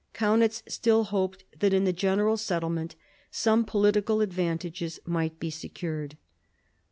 Kaunitz still hoped that in the general settlement some political advantages might be secured.